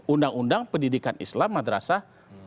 undang undang pendidikan islam madrasah